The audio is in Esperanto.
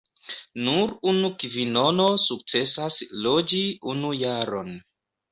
Nur unu kvinono sukcesas loĝi unu jaron.